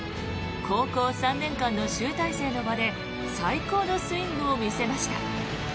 高校３年間の集大成の場で最高のスイングを見せました。